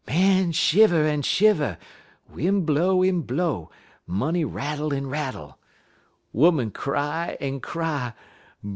Man shiver en shiver, win' blow en blow, money rattle en rattle, 'Oman cry en cry.